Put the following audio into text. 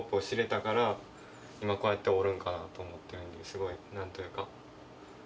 すごいなんというか。